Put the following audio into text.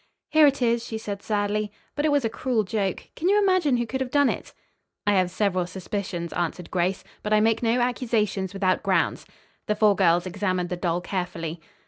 "Here it is," she said sadly. "But it was a cruel joke. Can you imagine who could have done it?" "I have several suspicions," answered Grace, "but I make no accusations without grounds." The four girls examined the doll carefully.